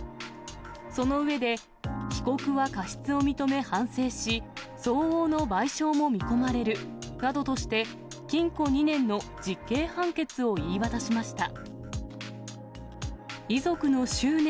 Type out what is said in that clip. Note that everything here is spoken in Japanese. その上で、被告は過失を認め反省し、相応の賠償も見込まれるなどとして、禁錮２年の実刑判決を言い渡しました。